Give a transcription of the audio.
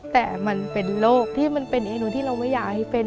แต่มันเป็นโรคที่มันเป็นเอนูที่เราไม่อยากให้เป็น